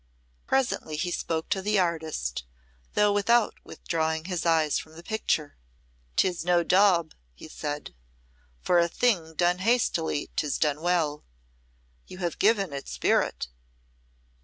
Presently he spoke to the artist, though without withdrawing his eyes from the picture. "'Tis no daub," he said. "For a thing done hastily 'tis done well. You have given it spirit."